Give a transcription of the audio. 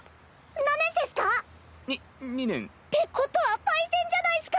何年生っスか？に２年。ってことはパイセンじゃないっスか！